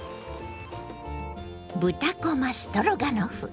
「豚こまストロガノフ」。